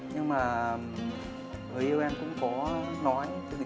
nhưng mà người yêu em cũng có nói